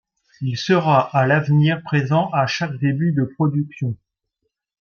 Il sera à l’avenir présent à chaque début de production.